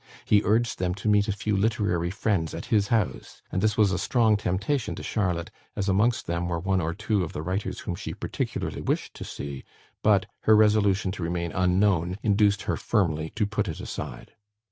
He urged them to meet a few literary friends at his house; and this was a strong temptation to Charlotte, as amongst them were one or two of the writers whom she particularly wished to see; but her resolution to remain unknown induced her firmly to put it aside.